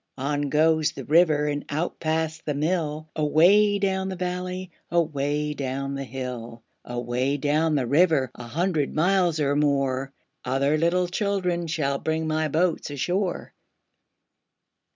On goes the river And out past the mill, Away down the valley, Away down the hill. Away down the river, A hundred miles or more, Other little children Shall bring my boats ashore.